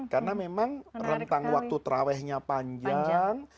karena memang rentang waktu terawihnya panjang